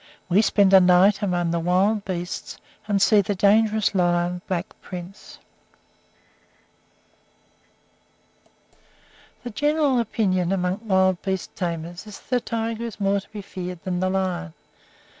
V WE SPEND A NIGHT AMONG WILD BEASTS AND SEE THE DANGEROUS LION BLACK PRINCE THE general opinion among wild beast tamers is that the tiger is more to be feared than the lion.